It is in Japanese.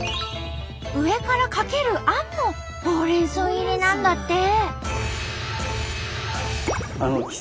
上からかけるあんもほうれん草入りなんだって。